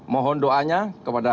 mohon doanya kepada